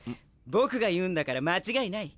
僕が言うんだから間違いない。